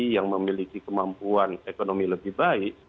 yang memiliki kemampuan ekonomi lebih baik